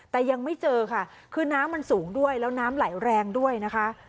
แต่ยังไม่เจอค่ะคือน้ำมันสูงด้วยแล้วน้ำไหลแรงด้วยนะคะ